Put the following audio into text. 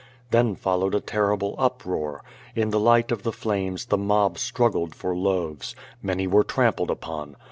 Then followed a terrible uproar. In the light of the flames the mob struggled for loaves. Many were trampled upon.